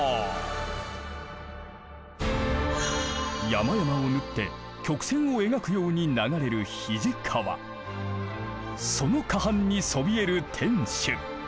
山々を縫って曲線を描くように流れるその河畔にそびえる天守。